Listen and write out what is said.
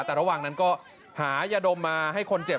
แต่ระหว่างนั้นก็หายาดมมาให้คนเจ็บ